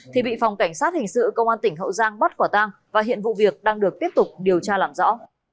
thì bị phòng cảnh sát hình sự công an tỉnh hậu giang bắt quả tang và hiện vụ việc đang được tiếp tục điều tra làm rõ